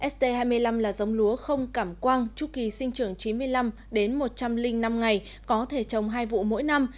st hai mươi năm là giống lúa không cảm quang tru kỳ sinh trưởng chín mươi năm đến một trăm linh năm ngày có thể trồng hai vụ mỗi năm